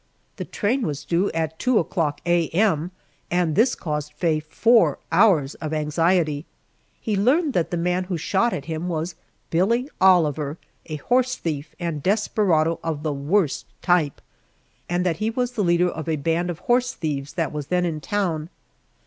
The train was due at two o'clock A. M., and this caused Faye four hours of anxiety. He learned that the man who shot at him was "Billy Oliver," a horse thief and desperado of the worst type, and that he was the leader of a band of horse thieves that was then in town.